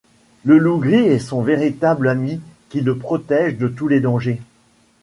Le loup gris est son véritable ami qui le protège de tous les dangers.